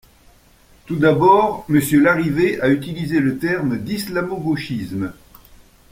Tout d’abord, monsieur Larrivé a utilisé le terme d’islamo-gauchisme.